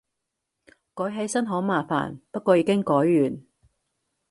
改起身好麻煩，不過已經改完